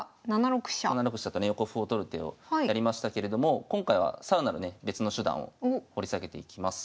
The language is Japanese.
７六飛車とね横歩を取る手をやりましたけれども今回は更なるね別の手段を掘り下げていきます。